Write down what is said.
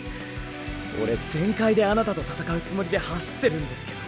オレ全開であなたと闘うつもりで走ってるんですけど。